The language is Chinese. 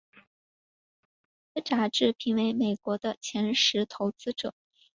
被福布斯杂志评选为美国前十投资者。